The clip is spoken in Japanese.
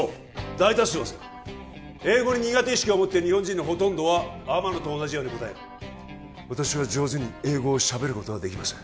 大多数はそうだ英語に苦手意識を持ってる日本人のほとんどは天野と同じように答える私は上手に英語を喋ることができません